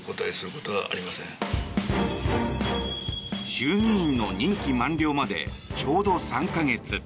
衆議院の任期満了までちょうど３か月。